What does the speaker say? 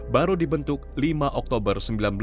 baru dibentuk lima oktober seribu sembilan ratus empat puluh